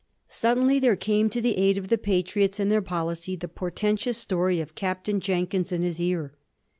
Suddenly there came to the aid of the Patriots and their policy the portentous story of Captain Jenkins and his ear.